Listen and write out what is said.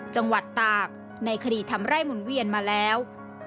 จังหวัดตากในคดีทำไร่หมุนเวียนมาแล้ว